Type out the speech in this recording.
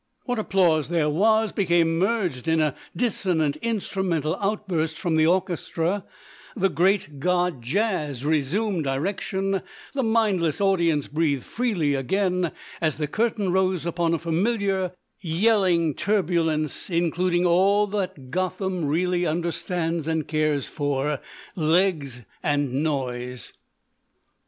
What applause there was became merged in a dissonant instrumental outburst from the orchestra; the great god Jazz resumed direction, the mindless audience breathed freely again as the curtain rose upon a familiar, yelling turbulence, including all that Gotham really understands and cares for—legs and noise.